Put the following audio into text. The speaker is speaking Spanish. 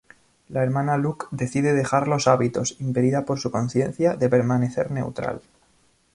La Hermana Luc decide dejar los hábitos, impedida por su conciencia, de permanecer neutral.